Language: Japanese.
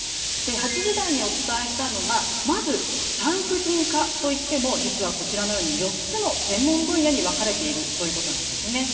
８時台にお伝えしたのが、まず産婦人科と言っても実はこちらのように４つの専門分野に分かれているということなんです。